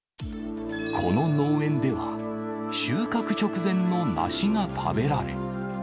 この農園では、収穫直前の梨が食べられ。